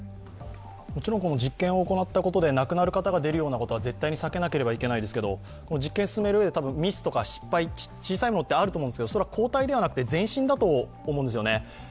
もちろん、実験を行ったことで亡くなる方が出るのは絶対に避けなければなりませんが、実験を進めるうえで小さなミスとか失敗はあると思うんですけど、それは後退ではなく前進だと思うんですね。